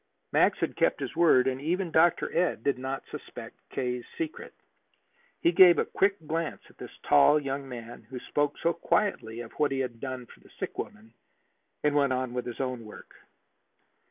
Max had kept his word, and even Dr. Ed did not suspect K.'s secret. He gave a quick glance at this tall young man who spoke so quietly of what he had done for the sick woman, and went on with his work.